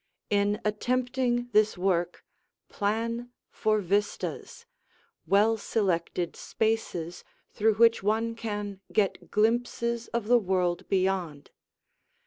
In attempting this work, plan for vistas, well selected spaces through which one can get glimpses of the world beyond.